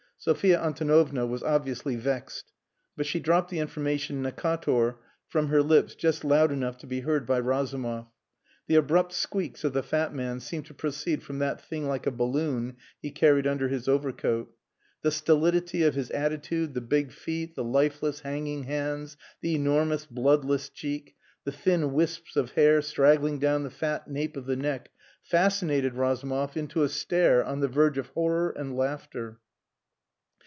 Sophia Antonovna was obviously vexed. But she dropped the information, "Necator," from her lips just loud enough to be heard by Razumov. The abrupt squeaks of the fat man seemed to proceed from that thing like a balloon he carried under his overcoat. The stolidity of his attitude, the big feet, the lifeless, hanging hands, the enormous bloodless cheek, the thin wisps of hair straggling down the fat nape of the neck, fascinated Razumov into a stare on the verge of horror and laughter.